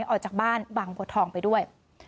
ออกจากบ้านบางบัวทองไปด้วย